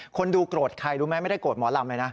คนดูโกรธใครรู้ไหมไม่ได้โกรธหมอลำเลยนะ